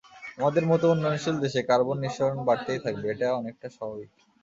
আমাদের মতো উন্নয়নশীল দেশে কার্বন নিঃসরণ বাড়তেই থাকবে, এটা অনেকটা স্বাভাবিক।